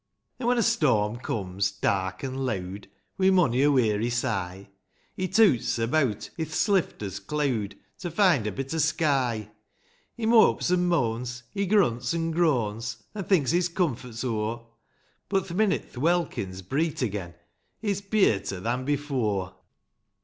III. An' when a storm comes, dark an' leawd, — Wi' mony a weary sigh, He toots abeawt,3 i'th slifter't cleawd/ To find a bit o' sky ; He mopes an' moans, he grunts an' groans, An' thinks his comfort's o'er ; But, th' minute th' welkin's^ breet again. He's peearter^ than before.